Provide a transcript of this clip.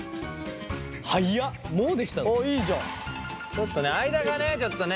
ちょっと間がねちょっとね。